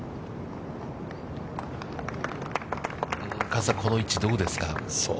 加瀬さん、この位置、どうですか。